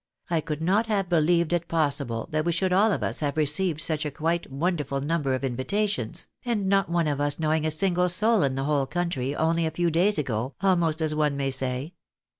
I could not have believed it pos sible that we should all of us have received such a quite wonderful number of invitations, and not one of us knowing a single soul in the whole country, only a few days ago, almost as one may say.